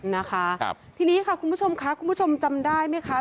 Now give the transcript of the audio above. นะคะครับทีนี้ค่ะคุณผู้ชมค่ะคุณผู้ชมจำได้ไหมคะ